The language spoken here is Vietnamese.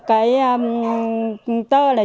cái tơ này